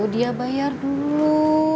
dia bayar dulu